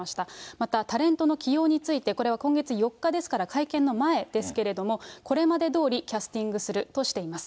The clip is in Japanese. またタレントの起用について、これは今月４日ですから、会見の前ですけれども、これまでどおりキャスティングするとしています。